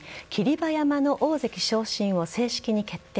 馬山の大関昇進を正式に決定。